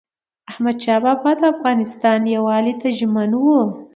احمدشاه بابا د افغانستان یووالي ته ژمن و.